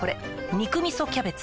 「肉みそキャベツ」